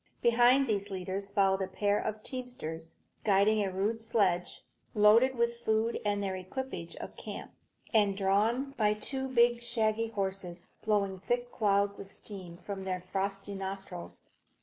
Behind these leaders followed a pair of teamsters, guiding a rude sledge, loaded with food and the equipage of the camp, and drawn by two big, shaggy horses, blowing thick clouds of steam from their frosty nostrils.